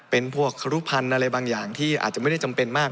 เป็นพวกครุพันธ์อะไรบางอย่างที่อาจจะไม่ได้จำเป็นมาก